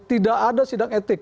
tidak ada sidang etik